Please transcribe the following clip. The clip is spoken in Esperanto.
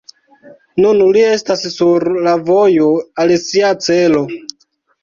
Nun li estas sur la vojo al sia celo.